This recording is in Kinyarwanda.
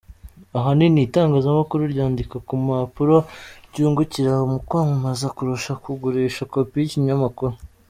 Ahanini itangazamakuru ryandika ku mpapuro ryungukira mu kwamamaza kurusha kugurisha kopi y’ikinyamakuru.